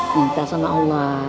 minta sama allah